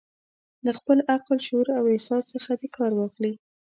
له خپل عقل، شعور او احساس څخه دې کار واخلي.